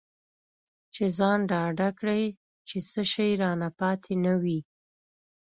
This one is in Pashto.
چې ځان ډاډه کړي چې څه شی رانه پاتې نه وي.